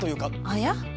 あや？